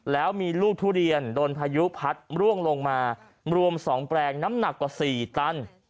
แล้วมีลูกทุเรียนโดนพายุพัดร่วงลงมารวม๒แปลงน้ำหนักกว่า๔ตัน